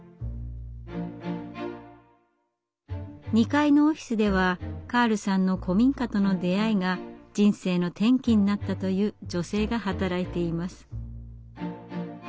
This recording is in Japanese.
２階のオフィスではカールさんの古民家との出会いが人生の転機になったという女性が働いています。